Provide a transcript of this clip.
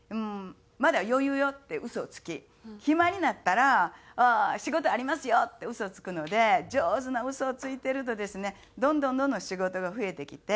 「まだ余裕よ」ってウソをつき暇になったら「ああ仕事ありますよ」ってウソをつくので上手なウソをついてるとですねどんどんどんどん仕事が増えてきて。